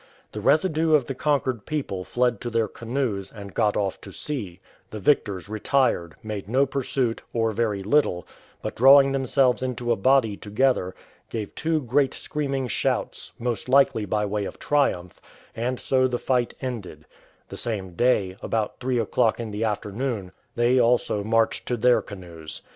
The residue of the conquered people fled to their canoes, and got off to sea; the victors retired, made no pursuit, or very little, but drawing themselves into a body together, gave two great screaming shouts, most likely by way of triumph, and so the fight ended; the same day, about three o'clock in the afternoon, they also marched to their canoes.